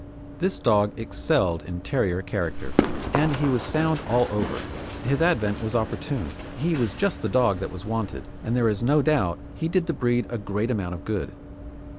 This dog excelled in terrier character, and he was sound all over; his advent was opportune he was just the dog that was wanted, and there is no doubt he did the breed a great amount of good.